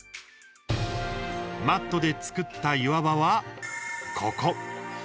マットで作った岩場はここ。